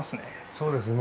そうですね。